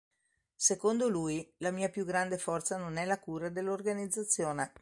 Secondo lui "la mia più grande forza non è la cura dell'organizzazione".